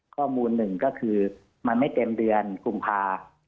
ข้อมูลหนึ่งก็คือมันไม่เต็มเดือนกุมภา